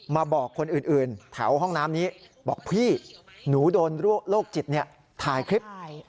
มาบอกคนอื่นแถวห้องน้ำนี้บอกพี่หนูโดนโรคจิตถ่ายคลิป